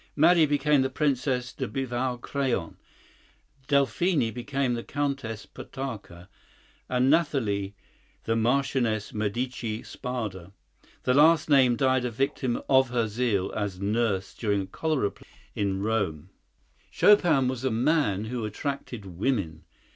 Marie became the Princess de Beauvau Craon; Delphine became the Countess Potocka, and Nathalie, the Marchioness Medici Spada. The last named died a victim to her zeal as nurse during a cholera plague in Rome. Chopin was a man who attracted women.